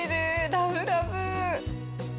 ラブラブ。